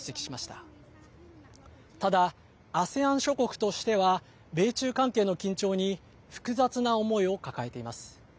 ただ、ＡＳＥＡＮ諸国としては米中関係の緊張に複雑な思いを抱えています。